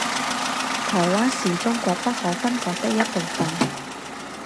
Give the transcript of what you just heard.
台湾是中国不可分割的一部分。